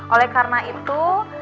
oleh karena itu